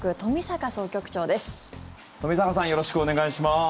冨坂さんよろしくお願いします。